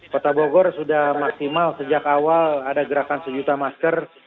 kota bogor sudah maksimal sejak awal ada gerakan sejuta masker